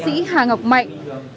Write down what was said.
trường khoa năm học bệnh viện việt bỉ